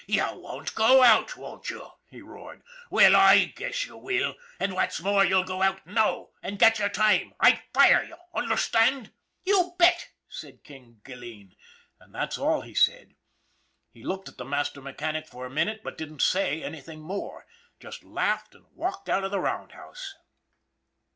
" You won't go out, won't you ?" he roared. " Well 7 guess you will ; and, what's more, you'll go out now and get your time ! I fire you, understand ?" "You bet!" said "King" Gilleen and that's all he said. He looked at the master mechanic for a min ute, but didn't say anything more just laughed and walked out of the roundhouse.